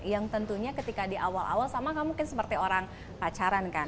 yang tentunya ketika di awal awal sama kamu kan seperti orang pacaran kan